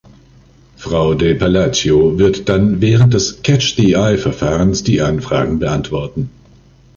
Frau De Palacio wird dann während des "catch the eye"-Verfahrens die Anfragen beantworten.